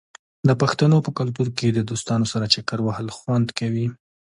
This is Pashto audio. د پښتنو په کلتور کې د دوستانو سره چکر وهل خوند کوي.